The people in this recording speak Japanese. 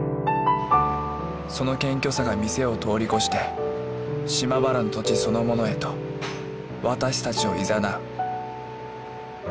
その謙虚さが店を通り越して島原の土地そのものへと私たちを誘う。